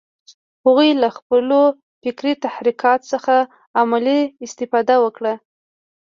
هغوی له خپلو فکري تحرکات څخه عملي استفاده وکړه